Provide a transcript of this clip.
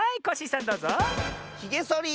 ひげそり！